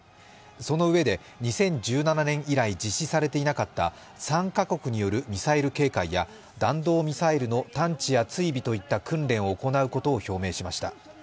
そのうえで、２０１７年以来実施されていなかった３カ国によるミサイル警戒や弾道ミサイルの探知や追尾といった訓練を行うことを表明しました。